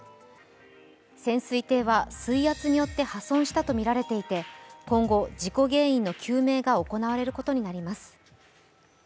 潜水艇は水圧によって破損したとみられていて、今後、事故原因の究明が行われることになります。